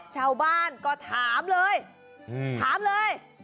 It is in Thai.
ชาวบ้านก็ถามเลยถามเลย